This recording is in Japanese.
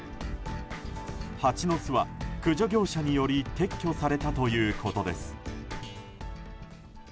ハチの巣は、駆除業者により撤去されたということです。